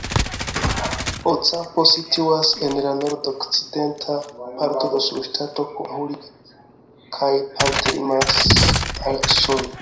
Ocampo situas en la nord-okcidenta parto de subŝtato Coahuila kaj parte limas al Usono.